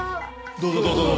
どうぞどうぞ。